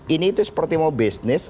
ini itu seperti mau bisnis